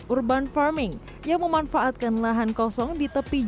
urban farming yang memanfaatkan lahan kosong di tepi jalan